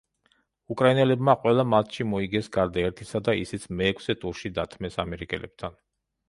უკრაინელებმა ყველა მატჩი მოიგეს გარდა ერთისა და ისიც მეექვსე ტურში დათმეს ამერიკელებთან.